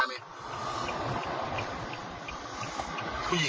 กันไหนกันล่ะ